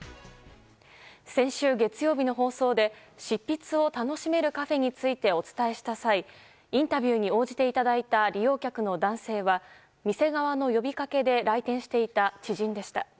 先週月曜日の放送で執筆を楽しめるカフェについてお伝えした際、インタビューに応じていただいた利用客の男性は店側の呼びかけで来店していた知人でした。